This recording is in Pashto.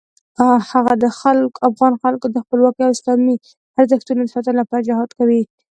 هغه د افغان خلکو د خپلواکۍ او اسلامي ارزښتونو د ساتنې لپاره جهاد وکړ.